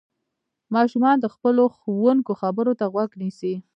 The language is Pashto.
ماشومان د خپلو ښوونکو خبرو ته غوږ نيسي.